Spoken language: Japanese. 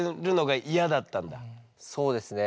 そうですね。